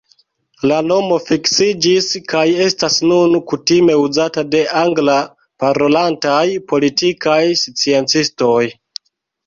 La nomo fiksiĝis kaj estas nun kutime uzata de angla-parolantaj politikaj sciencistoj.